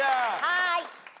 はい。